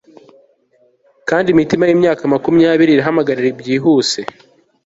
Kandi imitima yimyaka makumyabiri irahamagarirana byihuse